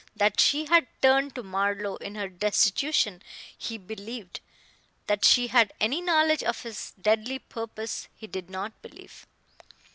That she had turned to Marlowe in her destitution he believed; that she had any knowledge of his deadly purpose he did not believe.